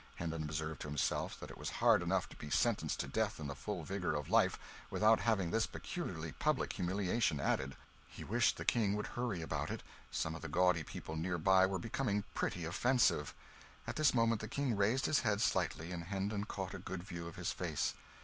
Hendon observed to himself that it was hard enough to be sentenced to death in the full vigour of life, without having this peculiarly public humiliation added. He wished the King would hurry about it some of the gaudy people near by were becoming pretty offensive. At this moment the King raised his head slightly, and Hendon caught a good view of his face.